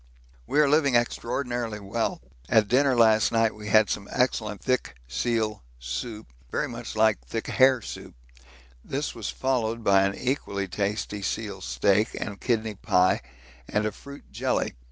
_ We are living extraordinarily well. At dinner last night we had some excellent thick seal soup, very much like thick hare soup; this was followed by an equally tasty seal steak and kidney pie and a fruit jelly.